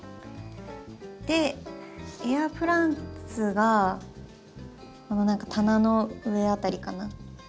でエアプランツがこの何か棚の上辺りかな。